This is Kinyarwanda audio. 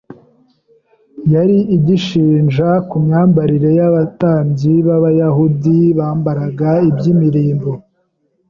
yari igishinja ku myambarire y’Abatambyi b’Abayahudi bambaraga iby’imirimbo